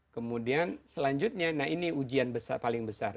kemudian selanjutnya nah ini ujian besar paling besar